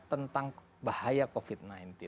tentang bahaya covid sembilan belas